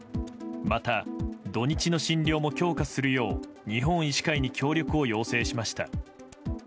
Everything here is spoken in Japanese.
また、土日の診療も強化するよう日本医師会に協力を要請しました。